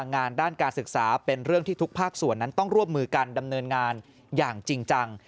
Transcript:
งานด้านการศึกษาเป็นเรื่องที่ทุกภาคส่วนนั้นต้องร่วมมือกันดำเนินงานอย่างจริงจัง